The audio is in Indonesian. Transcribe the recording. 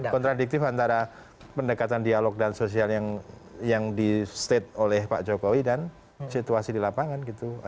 kontradiktif antara pendekatan dialog dan sosial yang di state oleh pak jokowi dan situasi di lapangan gitu